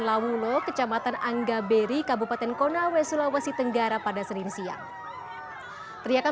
lawulo kecamatan angga beri kabupaten konawe sulawesi tenggara pada sering siang teriakan